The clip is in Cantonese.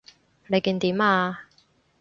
你見點啊？